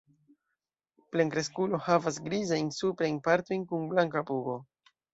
Plenkreskulo havas grizajn suprajn partojn kun blanka pugo.